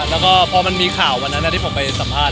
แล้วก็พอมันมีข่าววันนั้นที่ผมไปสัมภาษณ